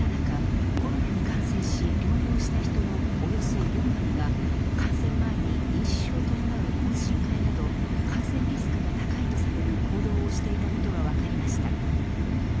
こうした中、コロナに感染し療養した人のおよそ４割が感染前に、飲酒を伴う懇親会など感染リスクが高いとされる行動をしていたことが分かりました。